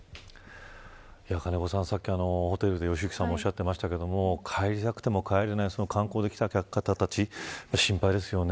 金子さん、さっきホテルで良幸さんもおっしゃってましたが帰りたくても帰れない観光客の方たちが心配ですね。